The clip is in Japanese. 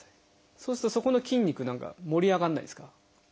そうするとそこの筋肉何か盛り上がらないですか？